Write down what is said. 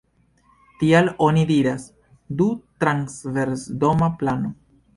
Tial oni diras „du-transversdoma plano“.